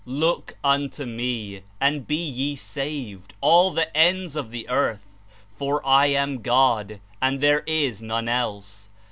Look unto me, and be ye saved, all the ends of the earth; for I a?n God, and there is none else.